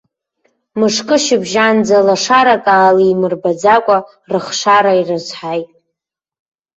Мышкы шыбжьанӡа лашарак аалимырбаӡакәа рыхшара ирызҳаит.